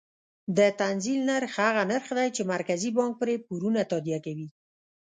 د تنزیل نرخ هغه نرخ دی چې مرکزي بانک پرې پورونه تادیه کوي.